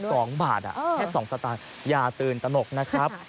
คือ๐๐๒บาทแค่๒สตางค์อย่าตื่นตนกนะครับ